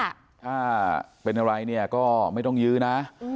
ถ้าเป็นอะไรเนี่ยก็ไม่ต้องยื้อนะ